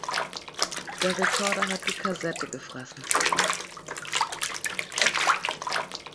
Der Rekorder hat die Kassette gefressen.